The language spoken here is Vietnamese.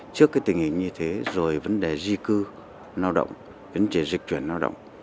trước cái tình hình như thế rồi vấn đề di cư lao động đến dịch chuyển lao động